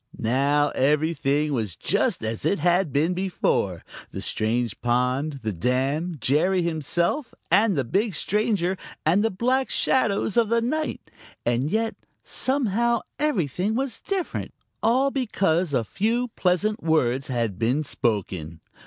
Now everything was just as it had been before the strange pond, the dam, Jerry himself and the big stranger, and the black shadows of the night and yet somehow, everything was different, all because a few pleasant words had been spoken.